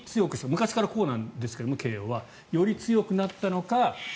昔からこうなんですけどより強くなったのか。